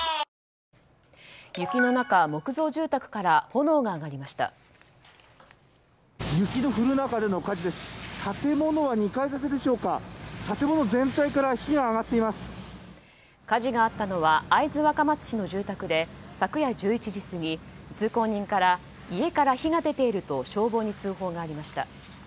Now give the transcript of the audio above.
建物全体から火事があったのは会津若松市の住宅で昨夜１１時過ぎ、通行人から家から火が出ていると消防に通報がありました。